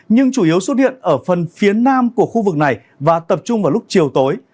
nhưng chủ yếu xuất hiện ở phần phía nam của khu vực này và tập trung vào lúc chiều tối